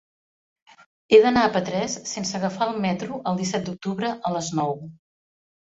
He d'anar a Petrés sense agafar el metro el disset d'octubre a les nou.